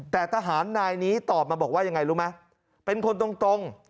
แต่ทหารนายนี้ตอบมาบอกว่ายังไงรู้ไหมเป็นคนตรง